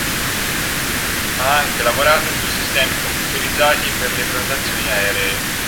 Ha anche lavorato su sistemi computerizzati per le prenotazioni aeree.